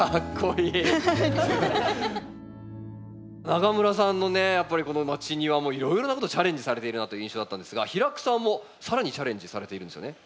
永村さんのねやっぱりこのまちニワもいろいろなことチャレンジされているなという印象だったんですが平工さんも更にチャレンジされているんですよね？